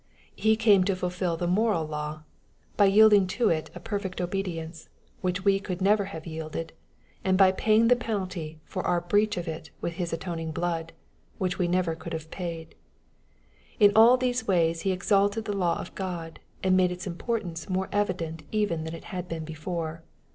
He came to fulfil the moral law, by yielding to it a perfect obedience, which we could never have yielded — ^and by paying the penalty for our breach of it with His atoning blood, which we could never have paid. In all these ways He exalted the law of God, and made its importance more evident even than it had been before.